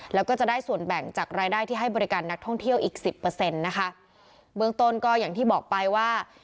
แล้วก็จะได้ส่วนแบ่งจากรายได้ที่ให้บริการนักท่องเที่ยวอีกสิบเปอร์เซ็นต์นะคะเบื้องต้นก็อย่างที่บอกไปว่า